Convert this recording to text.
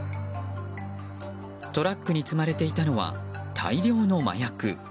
トラックに積まれていたのは大量の麻薬。